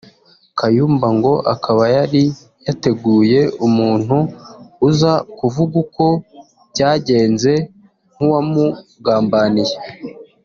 Kayumba ngo akaba yari yateguye umuntu uza kuvuga uko byagenze nk’uwamugambaniye